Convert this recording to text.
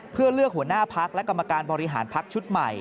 เพื่อเลือกหัวหน้าพักและกรรมการบริหารพักชุดใหม่